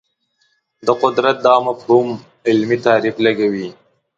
د قدرت دا مفهوم علمي تعریف لګوي